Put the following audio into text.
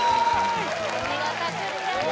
お見事クリアです